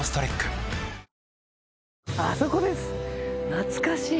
懐かしい。